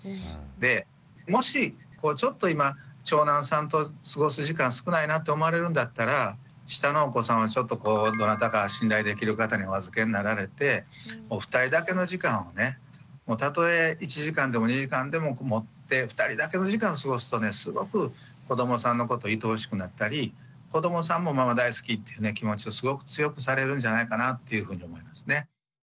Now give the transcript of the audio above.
でもしちょっと今長男さんと過ごす時間少ないなって思われるんだったら下のお子さんはちょっとこうどなたか信頼できる方にお預けになられておふたりだけの時間をねたとえ１時間でも２時間でも持ってふたりだけの時間を過ごすとねすごく子どもさんのこといとおしくなったり子どもさんもママ大好きっていう気持ちをすごく強くされるんじゃないかなっていうふうに思いますね。